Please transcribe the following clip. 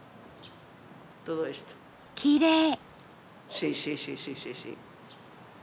きれい！